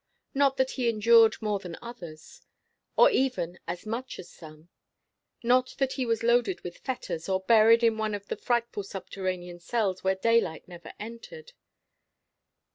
Not that he endured more than others, or even as much as some. He was not loaded with fetters, or buried in one of the frightful subterranean cells where daylight never entered.